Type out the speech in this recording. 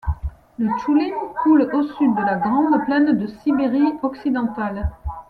Le Tchoulym coule au sud de la grande plaine de Sibérie occidentale.